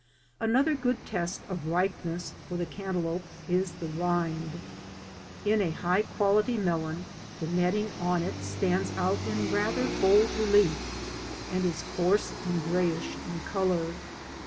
Another good test of ripeness for the cantaloupe is the rind. In a high quality melon, the netting on it stands out in rather bold relief, and is coarse and grayish in color.